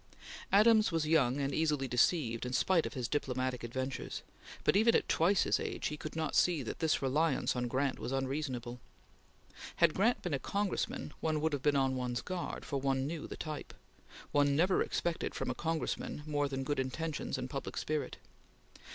Adams was young and easily deceived, in spite of his diplomatic adventures, but even at twice his age he could not see that this reliance on Grant was unreasonable. Had Grant been a Congressman one would have been on one's guard, for one knew the type. One never expected from a Congressman more than good intentions and public spirit.